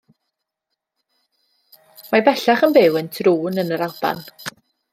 Mae bellach yn byw yn Troon yn yr Alban.